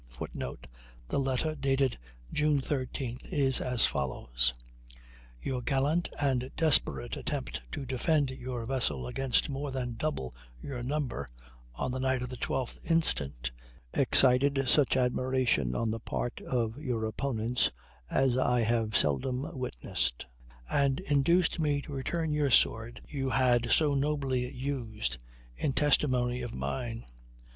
[Footnote: The letter, dated June 13th, is as follows: "Your gallant and desperate attempt to defend your vessel against more than double your number, on the night of the 12th instant, excited such admiration on the part of your opponents as I have seldom witnessed, and induced me to return you the sword you had so nobly used, in testimony of mine.